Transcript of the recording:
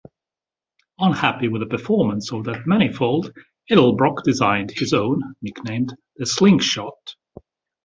Unhappy with the performance of that manifold, Edelbrock designed his own, nicknamed "The Slingshot".